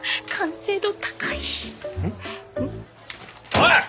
おい！